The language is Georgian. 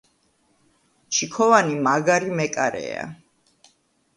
ჩიქოვანი მაგარი მეკარეა